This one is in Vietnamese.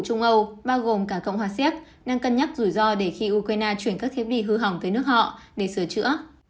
trung âu bao gồm cả cộng hòa xéc đang cân nhắc rủi ro để khi ukraine chuyển các thiết bị hư hỏng tới nước họ để sửa chữa